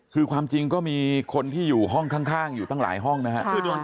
คือความจริงก็มีคนที่อยู่ห้องข้างอยู่ตั้งหลายห้องนะฮะ